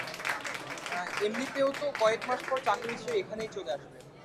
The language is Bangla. এমনিতেও তো কয়েকমাস পর চাকুরি ছেড়ে এখানেই চলে আসবে।